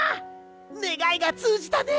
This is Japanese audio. ねがいがつうじたね！